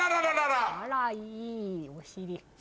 あらいいお尻。